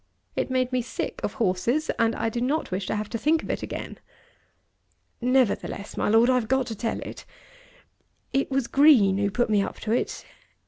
It made me sick of horses, and I do not wish to have to think of it again." "Nevertheless, my Lord, I've got to tell it. It was Green who put me up to it.